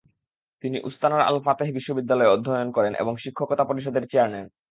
তিনি উস্তানার আল-ফাতেহ বিশ্ববিদ্যালয়ে অধ্যয়ন করেন এবং শিক্ষকতা পরিষদের চেয়ার নেন।